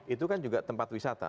itu kan juga tempat wisata